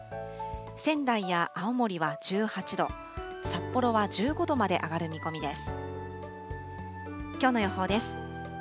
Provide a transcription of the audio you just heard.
仙台や青森は１８度、札幌は１５度まで上がる見込みです。